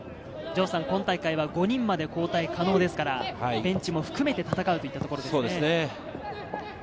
今大会は５人まで交代可能ですから、ベンチも含めて戦うといったところですね。